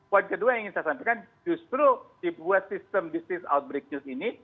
poin kedua yang ingin saya sampaikan justru dibuat sistem business outbreak news ini